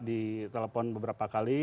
di telepon beberapa kali